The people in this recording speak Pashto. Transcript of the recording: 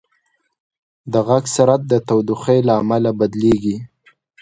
د غږ سرعت د تودوخې له امله بدلېږي.